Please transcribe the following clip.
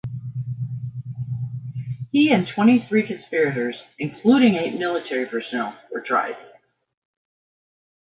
He and twenty-three conspirators, including eight military personnel, were tried.